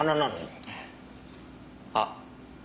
あっ。